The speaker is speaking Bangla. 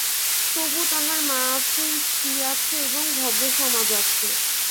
তবু তাহার মা আছে, স্ত্রী আছে এবং ভদ্রসমাজ আছে।